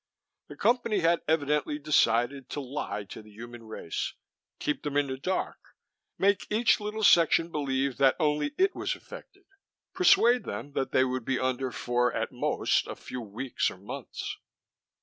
The Company had evidently decided to lie to the human race. Keep them in the dark make each little section believe that only it was affected persuade them that they would be under for, at most, a few weeks or months.